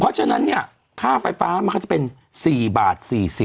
เพราะฉะนั้นค่าไฟฟ้ามัคษจะเป็น๔บาท๔๐